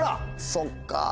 そっか。